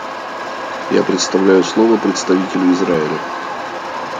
Я предоставляю слово представителю Израиля.